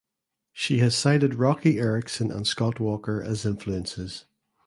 She has cited Roky Erickson and Scott Walker as influences.